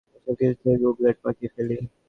আমি সব কিছুতেই গুবলেট পাকিয়ে ফেলি।